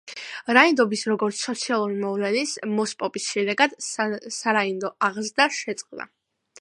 რაინდობის, როგორც სოციალურ მოვლენის, მოსპობის შედეგად სარაინდო აღზრდა შეწყდა.